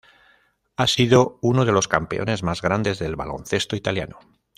Ha sido uno de los campeones más grandes del baloncesto italiano.